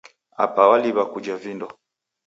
Apa waliwa kujha vindo.